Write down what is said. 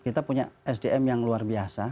kita punya sdm yang luar biasa